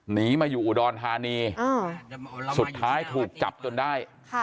หนีมาอยู่อุดรธานีสุดท้ายถูกจับจนได้